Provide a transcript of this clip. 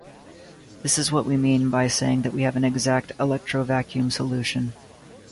This is what we mean by saying that we have an exact electrovacuum solution.